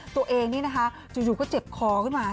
ตัวเองนี่นะคะจู่ก็เจ็บคอขึ้นมา